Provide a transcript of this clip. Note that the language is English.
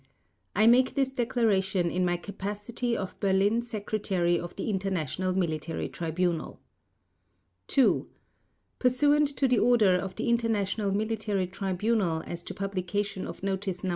I make this Declaration in my capacity of Berlin Secretary of the International Military Tribunal. 2. Pursuant to the order of the International Military Tribunal as to publication of Notice No.